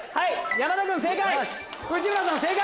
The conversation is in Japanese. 山田君正解！